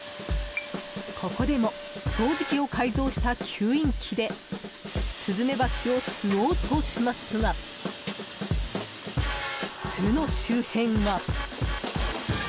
ここでも掃除機を改造した吸引器でスズメバチを吸おうとしますが巣の周辺は。